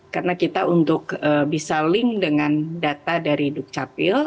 karena kita untuk bisa link dengan data dari dukcapil